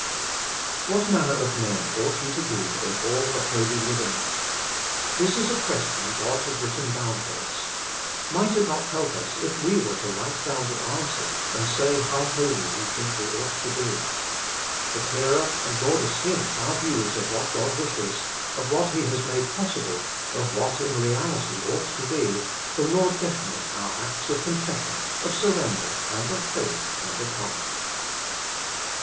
1. What manner of men ought ye to be In all the holy living ? This is a question God has written down for us. Might it not help us if we were to write down the answer, and say how holy we think we ought to be ? The clearer and more distinct our views are of what God wishes, of what He has made possible, of what in reality ought to be, the more definite our acts of confession, of surrender, and of faith can become. 2.